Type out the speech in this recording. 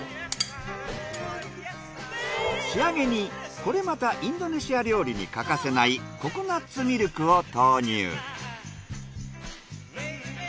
仕上げにこれまたインドネシア料理に欠かせないココナッツミルクを投入。